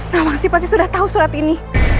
nawangsi pasti sudah tahu surat ini